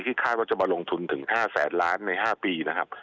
คาดว่าจะมาลงทุนถึง๕แสนล้านใน๕ปีนะครับ